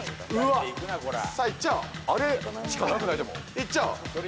いっちゃおう。